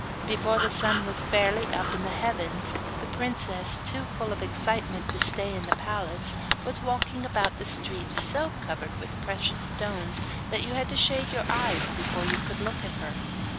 Before the sun was fairly up in the heavens the princess, too full of excitement to stay in the palace, was walking about the streets so covered with precious stones that you had to shade your eyes before you could look at her.